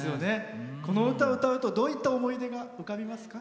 この歌を歌うとどういった思い出が浮かびますか？